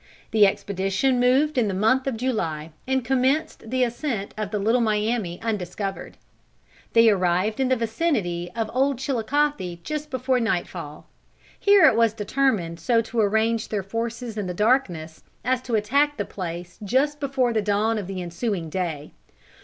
The expedition moved in the month of July, and commenced the ascent of the Little Miami undiscovered. They arrived in the vicinity of Old Chilicothe just before nightfall. Here it was determined so to arrange their forces in the darkness, as to attack the place just before the dawn of the ensuing day.